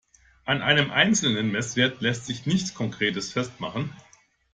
An einem einzelnen Messwert lässt sich nichts Konkretes festmachen.